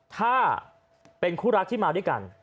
ถ้าเป็นคู่รักที่มาด้วยกัน